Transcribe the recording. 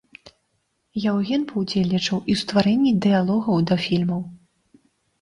Яўген паўдзельнічаў і ў стварэнні дыялогаў да фільму.